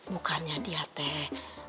bukannya dia teh